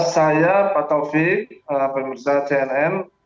saya pak taufik pemirsa cnn